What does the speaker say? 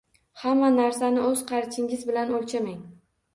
Hamma narsani o‘z qarichingiz bilan o‘lchamang.